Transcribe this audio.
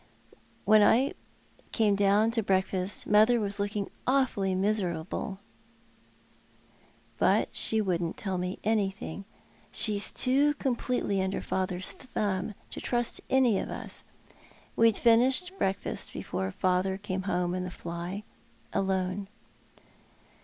When I came down to breakfixst mother was looking awfully miserable, but she wouldn't tell me anything. She's too completely under father's thumb to trust any of us. We'd finished breakfast before father came home in the fly — alone."